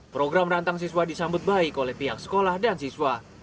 program rantang siswa disambut baik oleh pihak sekolah dan siswa